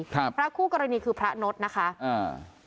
ครับพระคู่กรณีคือพระณฑฎนะคะเออ